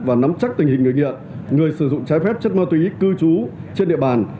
và nắm chắc tình hình người nghiện người sử dụng trái phép chất ma túy cư trú trên địa bàn